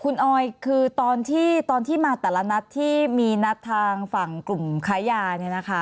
คุณออยคือตอนที่มาแต่ละนัดที่มีนัดทางฝั่งกลุ่มค้ายาเนี่ยนะคะ